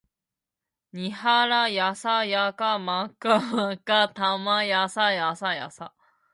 にはらやさやかまかまかたまやさやさやさ